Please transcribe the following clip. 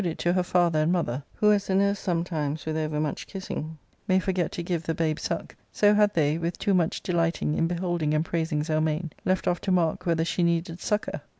it to her father and mother, who* as the* niirse somefime's' 1^* with over much kissing may forget to give the babe suck, so ''; had they, with too much dehghting in beholding and praising Zehnane, left off to mark whether she needed succour.